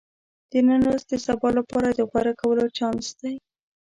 • د نن ورځ د سبا لپاره د غوره کولو چانس دی.